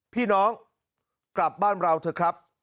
พี่น้องกลับบ้านเราเถอะครับ